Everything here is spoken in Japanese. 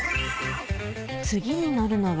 次に乗るのは